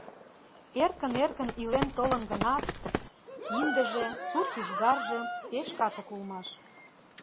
Эркын-эркын илен толын гынат, киндыже, сурт ӱзгарже пеш катык улмаш.